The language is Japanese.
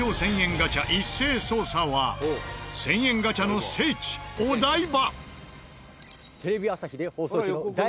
ガチャ一斉捜査は１０００円ガチャの聖地お台場！